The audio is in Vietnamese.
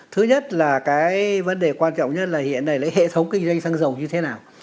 thứ nhất là cái vấn đề quan trọng nhất là hiện nay lấy hệ thống kinh doanh xăng dầu như thế nào